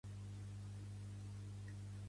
Pertany al moviment independentista la Kati?